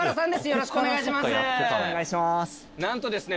よろしくお願いします。